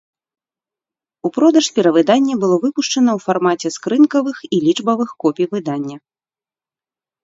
У продаж перавыданне было выпушчана ў фармаце скрынкавых і лічбавых копій выдання.